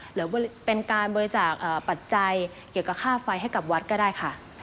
หรือเป็นการบริจาคปัจจัยเกี่ยวกับค่าไฟให้กับวัดก็ได้ค่ะ